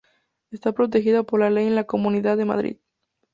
Está protegida por ley en la Comunidad de Madrid.